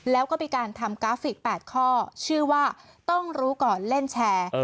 แล้วก็มีการทำกราฟิก๘ข้อชื่อว่าต้องรู้ก่อนเล่นแชร์